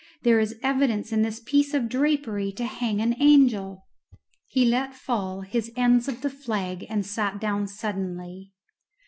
There is evidence in this piece of drapery to hang an angel." He let fall his ends of the flag and sat down suddenly.